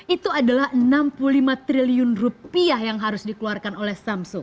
itu adalah enam puluh lima triliun rupiah yang harus dikeluarkan oleh samsung